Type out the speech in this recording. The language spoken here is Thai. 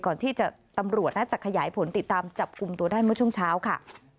ที่ตำรวจน่าจะขยายผลติดตามจับกลุ่มตัวได้เมื่อช่วงเช้าค่ะ